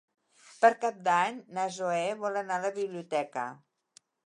Per Cap d'Any na Zoè vol anar a la biblioteca.